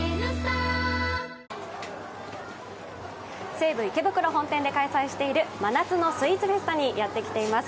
西武池袋本店で開催している真夏のスイーツフェスタにやってきています。